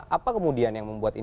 apa kemudian yang membuat ini